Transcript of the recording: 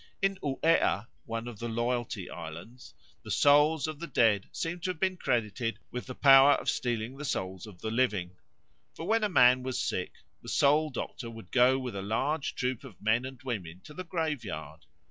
In Uea, one of the Loyalty Islands, the souls of the dead seem to have been credited with the power of stealing the souls of the living. For when a man was sick the soul doctor would go with a large troop of men and women to the graveyard.